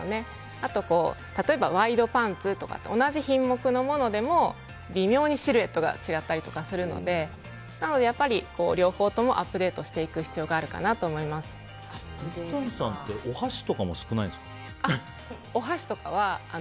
あと例えばワイドパンツとかって同じ品目のものでも微妙にシルエットが違ったりするのでやっぱり両方ともアップデートしていく必要が水谷さんってお箸とかはやっぱり！